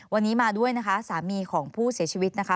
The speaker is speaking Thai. วันนี้มาด้วยนะคะสามีของผู้เสียชีวิตนะคะ